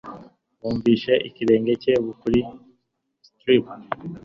bumvise ikirenge cye kuri stirrup